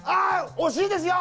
惜しいですよ！